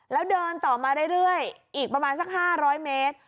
แล้วเดินต่อมาเรื่อยอีกประมาณสัก๕๐๐เมตร